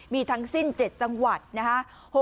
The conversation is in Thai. มีทั้งสิ้น๗จังหวัดนะคะ